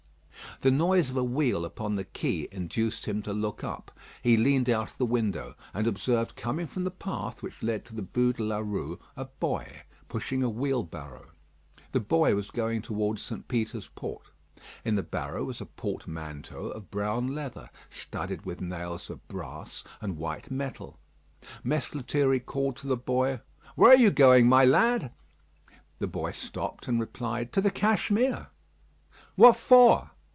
The noise of a wheel upon the quay induced him to look up. He leaned out of the window, and observed coming from the path which led to the Bû de la Rue a boy pushing a wheelbarrow. The boy was going towards St. Peter's Port. In the barrow was a portmanteau of brown leather, studded with nails of brass and white metal. Mess Lethierry called to the boy: "Where are you going, my lad?" The boy stopped, and replied: "To the Cashmere." "What for?"